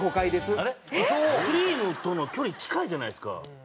クリームとの距離近いじゃないですか。